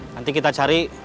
nanti kita cari